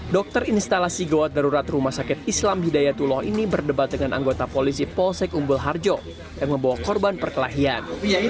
dokter instalasi gawat darurat rumah sakit islam hidayatullah ini berdebat dengan anggota polisi polsek umbul harjo yang membawa korban perkelahian